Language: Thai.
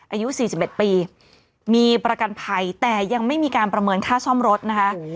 อายุ๔๑ปีมีประกันภัยแต่ยังไม่มีการประเมินค่าซ่อมรถนะคะ